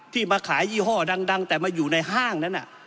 มาขายยี่ห้อดังแต่มาอยู่ในห้างนั้น